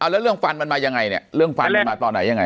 อ้าวเตะอะไรหน่อยมันว่ายังไงเนี่ยเรื่องฟันมันมาต่อไหนยังไง